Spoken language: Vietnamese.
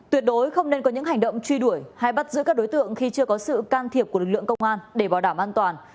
tuyệt đối không nên có những hành động truy đuổi hay bắt giữ các đối tượng khi chưa có sự can thiệp của lực lượng công an để bảo đảm an toàn